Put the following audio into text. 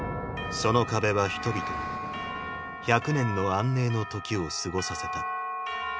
その壁は人々に１００年の安寧の時を過ごさせた。